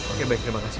oke baik terima kasih